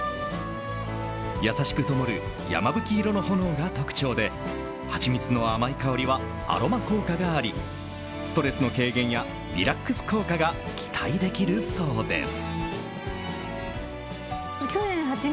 優しくともる山吹色の炎が特徴でハチミツの甘い香りはアロマ効果がありストレスの軽減やリラックス効果が期待できるそうです。